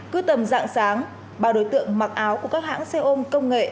cứ tầm dạng sáng ba đối tượng mặc áo của các hãng xe ôm công nghệ